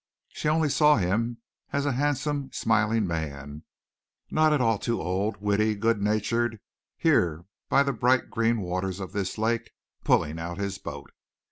She only saw him as a handsome, smiling man, not at all too old, witty, good natured, here by the bright green waters of this lake, pulling out his boat.